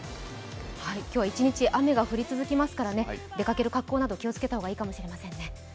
今日は一日雨が降り続きますから出かける格好など気をつけた方がいいかもしれませんね。